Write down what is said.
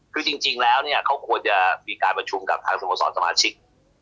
คือจริงแล้วเนี่ยเขาควรจะมีการประชุมกับทางสโมสรสมาชิก